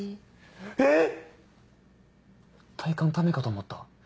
えっ⁉体感タメかと思った。